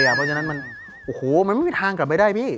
เพราะฉะนั้นมันไม่มีทางกลับไปได้พี่